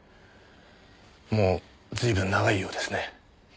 もう随分長いようですね。